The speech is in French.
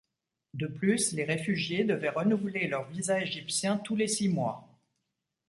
De plus, les réfugiés devaient renouveler leur visa égyptien tous le six mois.